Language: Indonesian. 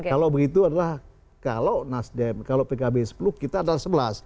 kalau begitu adalah kalau nasdem kalau pkb sepuluh kita adalah sebelas